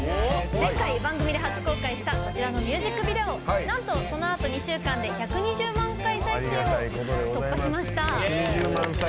前回、番組で初公開したミュージックビデオなんと、そのあと２週間で１２０万回再生を突破しました。